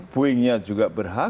boeing nya juga berhak